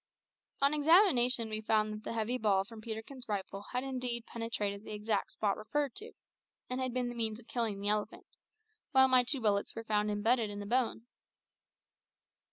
On examination we found that the heavy ball from Peterkin's rifle had indeed penetrated the exact spot referred to, and had been the means of killing the elephant, while my two bullets were found embedded in the bone.